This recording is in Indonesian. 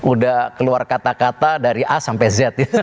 udah keluar kata kata dari a sampai z ya